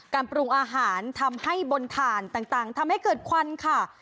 ปรุงอาหารทำให้บนถ่านต่างทำให้เกิดควันค่ะ